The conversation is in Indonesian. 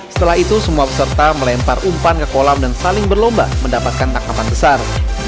setelah itu semua peserta melempar umpan ke kolam dan saling berlomba mendapatkan tangkapan besar